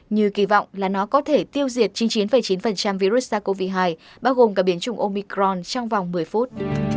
như kỳ vọng là nó có thể tiêu diệt chín mươi chín chín virus sars cov hai bao gồm cả biến chủng omicron trong vòng một mươi phút